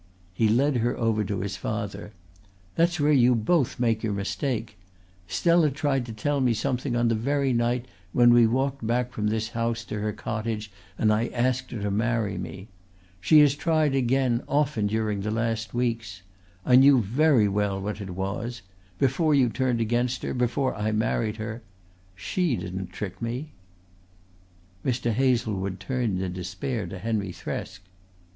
He led her over to his father. "That's where you both make your mistake. Stella tried to tell me something on the very night when we walked back from this house to her cottage and I asked her to marry me. She has tried again often during the last weeks. I knew very well what it was before you turned against her, before I married her. She didn't trick me." Mr. Hazlewood turned in despair to Henry Thresk.